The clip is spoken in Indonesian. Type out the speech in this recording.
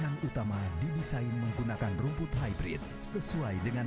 yang terdengar di angkasa mulai kau disini